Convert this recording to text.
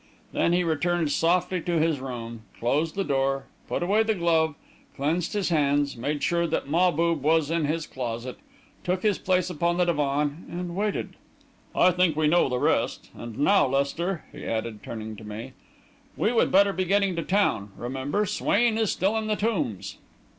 Then he returned softly to his room, closed the door, put away the glove, cleansed his hands, made sure that Mahbub was in his closet, took his place upon the divan, and waited. I think we know the rest. And now, Lester," he added, turning to me, "we would better be getting to town. Remember, Swain is still in the Tombs."